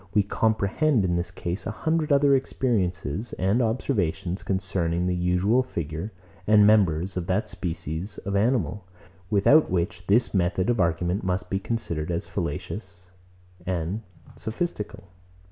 We comprehend in this case a hundred other experiences and observations, concerning the usual figure and members of that species of animal, without which this method of argument must be considered as fallacious and sophistical.